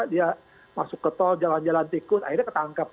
dia masuk ke tol jalan jalan tikus akhirnya ketangkep